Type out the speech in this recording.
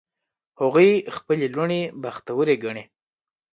هغوی خپلې لوڼې بختوری ګڼي